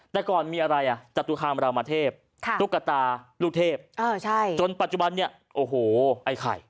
แต่ก่อนมีอะไรอ่ะจตุคามรามเทพตุ๊กตาลูกเทพจนปัจจุบันเนี่ยโอ้โหไอ้ไข่